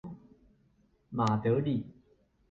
馬德里